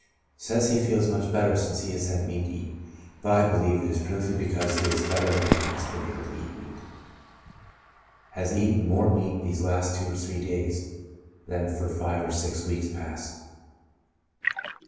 Says he feels much better since he has had meat to eat, but I believe it is prin cipally because he is better that he has been able to eat meat j has eaten more meat these last two or three days than for five or six weeks past.